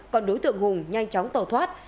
còn đối tượng hùng nhanh chóng tẩu thoát